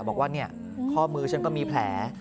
บอกว่าข้อมือฉันก็มีแผล